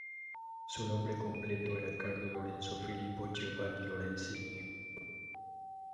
Su nombre completo era Carlo Lorenzo Filippo Giovanni Lorenzini.